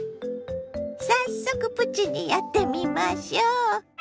早速プチにやってみましょ。